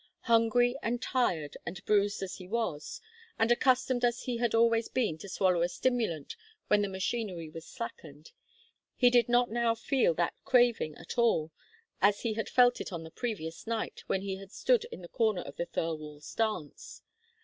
Hungry and tired and bruised as he was, and accustomed as he had always been to swallow a stimulant when the machinery was slackened, he did not now feel that craving at all as he had felt it on the previous night, when he had stood in the corner at the Thirlwalls' dance.